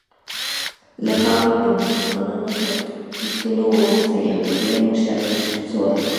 له خاورې د مسلمانانو تر ایستلو وروسته یهودیان وشړل سول.